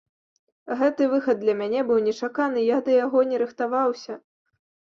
Гэты выхад для мяне быў нечаканы, я да яго не рыхтаваўся.